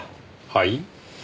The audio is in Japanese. はい？